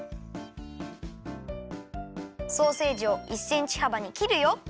ソーセージを１センチはばにきるよ。